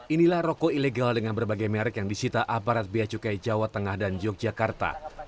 inilah rokok ilegal dengan berbagai merek yang disita aparat biaya cukai jawa tengah dan yogyakarta